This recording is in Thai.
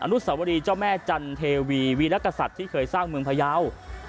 นุสวรีเจ้าแม่จันเทวีวีรกษัตริย์ที่เคยสร้างเมืองพยาว